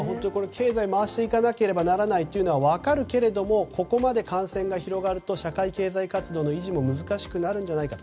経済回していかなければならないというのは分かるけれどもここまで感染が広がると社会経済活動の維持も難しくなるんじゃないか。